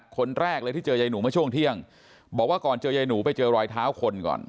คนแรกเลยที่เจอยายหนูเมื่อช่วงเที่ยงบอกว่าก่อนเจอยายหนูไปเจอรอยเท้าคนก่อน